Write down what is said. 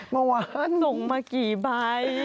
เมื่อวานส่งมากี่ใบ